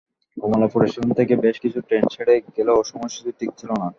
Kamalapur station থেকে বেশ কিছু ট্রেন ছেড়ে গেলেও সময়সূচি ঠিক ছিল না।